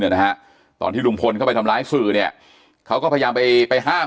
นะฮะตอนที่ลุงพลเข้าไปทำร้ายสื่อเนี่ยเขาก็พยายามไปไปห้าม